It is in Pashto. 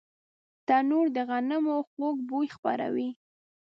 تنور د غنمو خوږ بوی خپروي